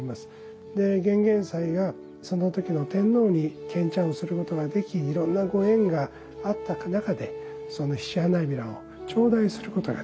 玄々斎がその時の天皇に献茶をすることができいろんなご縁があった中でその菱葩を頂戴することができて。